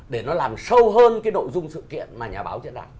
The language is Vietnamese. để nó làm sâu hơn cái nội dung sự kiện mà nhà báo chí đã làm